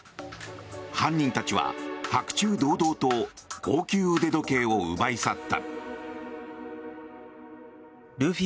犯人たちは白昼堂々と高級腕時計を奪い去った。